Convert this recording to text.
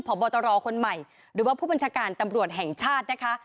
พบตรคนใหม่หรือว่าผู้บัญชาการตำรวจแห่งชาตินะคะ